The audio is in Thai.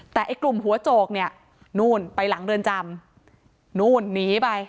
แต่ไอ้กลุ่มหัวโจกเนี่ยนู่นไปหลังเรือนจำนู่นหนีไป